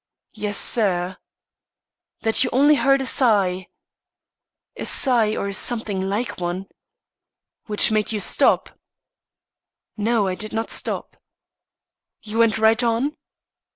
"Yes, sir." "That you only heard a sigh?" "A sigh, or something like one." "Which made you stop " "No, I did not stop." "You went right on?"